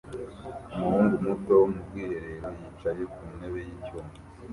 Umuhungu muto mu bwiherero yicaye ku ntebe y'icyuma